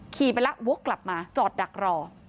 ขี่ไปแล้ววกกลับมาจอดดักรอ